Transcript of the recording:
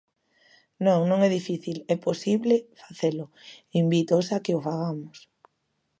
Non, non é difícil, é posible facelo, invítoos a que o fagamos.